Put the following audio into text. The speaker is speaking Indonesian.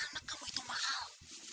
anak kamu itu mahal